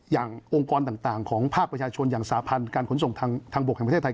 องค์กรต่างของภาคประชาชนอย่างสาพันธ์การขนส่งทางบกแห่งประเทศไทย